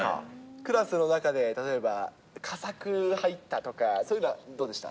クラスの中で例えば、佳作入ったとか、そういうのはどうでした？